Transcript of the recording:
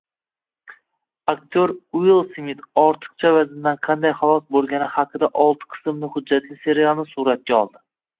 Aktyor Uill Smit ortiqcha vazndan qanday xalos bo‘lgani haqidagioltiqismli hujjatli serialni suratga oldi